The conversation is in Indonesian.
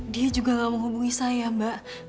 dia juga gak menghubungi saya mbak